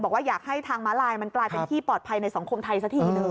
บอกว่าอยากให้ทางม้าลายมันกลายเป็นที่ปลอดภัยในสังคมไทยสักทีหนึ่ง